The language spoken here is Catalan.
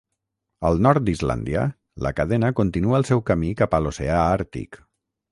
Al nord d'Islàndia, la cadena continua el seu camí cap a l'oceà Àrtic.